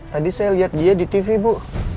tadi saya lihat dia di tv bu